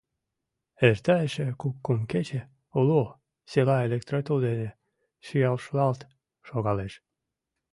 Эрта эше кок-кум кече — уло села электротул дене шӱяшлалт шогалеш.